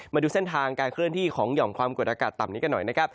มาดูเส้นทางการเคลื่อนที่ของหย่อมความกดอากาศต่ำนี้กันหน่อยนะครับ